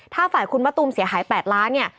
ถ้าฝ่ายคุณมะตูมเสียหาย๘ล้านเนี่ย